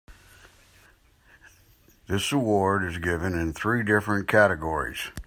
This award is given in three different categories.